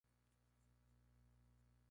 Ningún juez europeo participó en el juicio.